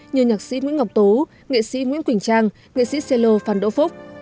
như nhạc sĩ nguyễn ngọc tố nghệ sĩ nguyễn quỳnh trang nghệ sĩ celo phan đỗ phúc